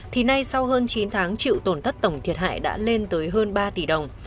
thì nay sau hơn chín tháng chịu tổn thất tổng thiệt hại đã lên tới hơn ba tỷ đồng